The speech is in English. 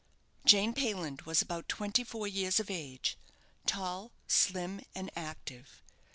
Jane Payland was about twenty four years of age, tall, slim, and active.